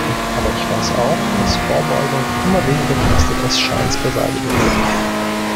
Aber ich weiß auch, dass Vorbeugung immer weniger kostet als Schadensbeseitigung.